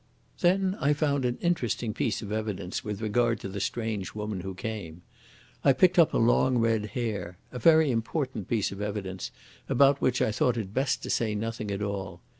"Then I found an interesting piece of evidence with regard to the strange woman who came: I picked up a long red hair a very important piece of evidence about which I thought it best to say nothing at all.